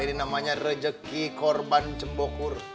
ini namanya rejeki korban cebokur